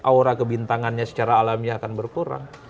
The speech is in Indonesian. aura kebintangannya secara alamiah akan berkurang